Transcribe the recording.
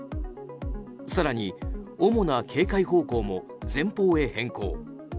更に、主な警戒方向も前方へ変更。